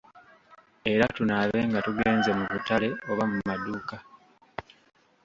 Era tunaabe nga tugenze mu butale oba mu maduuka.